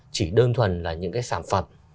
chỉ đơn thuần là những cái sản phẩm